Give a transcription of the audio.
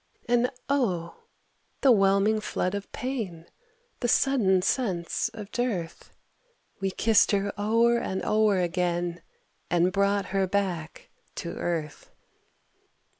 And oh, the whelming flood of pain, The sudden sense of dearth! We kissed her o'er and o'er again, And brought her back to earth.